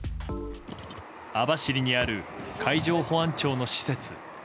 網走にある海上保安庁の施設。